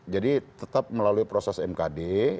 jadi tetap melalui proses mkd